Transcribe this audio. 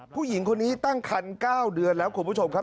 ผู้หญิงคนนี้ตั้งคัน๙เดือนแล้วคุณผู้ชมครับ